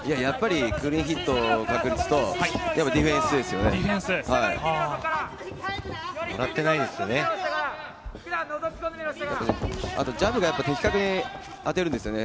クリーンヒットとディフェンスですよね。